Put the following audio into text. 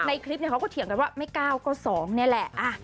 ในคลิปเขาก็เถียงกันว่าไม่๙ก็๒นี่แหละ